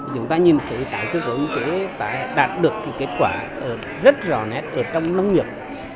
chúng ta nhìn thấy tại chức ứng chế đã đạt được kết quả rất rõ nét ở trong nông nghiệp